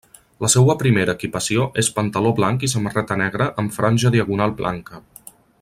La seua primera equipació és pantaló blanc i samarreta negra amb franja diagonal blanca.